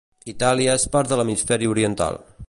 Itàlia és part de l'hemisferi oriental.